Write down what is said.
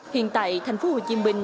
hiện tại thành phố hồ chí minh